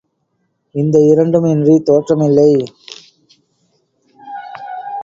இந்த இரண்டும் இன்றித் தோற்றம் இல்லை.